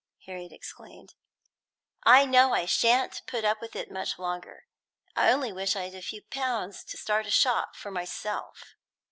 Harriet exclaimed. "I know I sha'n't put up with it much longer. I only wish I'd a few pounds to start a shop for myself."